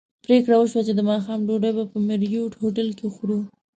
پرېکړه وشوه چې د ماښام ډوډۍ به په مریوټ هوټل کې خورو.